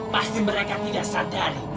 pasti mereka tidak sadari